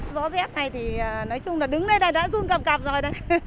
gió rét này thì nói chung là đứng đây là đã run cặp cặp rồi